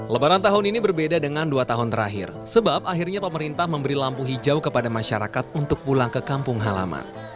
lebaran tahun ini berbeda dengan dua tahun terakhir sebab akhirnya pemerintah memberi lampu hijau kepada masyarakat untuk pulang ke kampung halaman